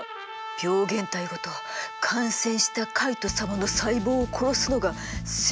病原体ごと感染したカイト様の細胞を殺すのが拙者のお役目。